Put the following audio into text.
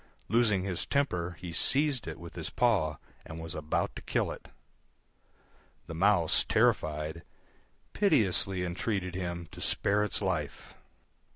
Losing his temper he seized it with his paw and was about to kill it. The Mouse, terrified, piteously entreated him to spare its life.